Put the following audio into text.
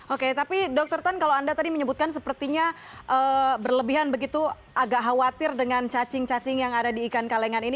oke tapi dokter tan kalau anda tadi menyebutkan sepertinya berlebihan begitu agak khawatir dengan cacing cacing yang ada di ikan kalengan ini